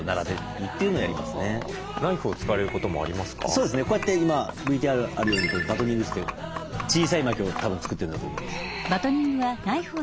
そうですねこうやって今ＶＴＲにあるようにバトニングといって小さい薪をたぶん作ってるんだと思います。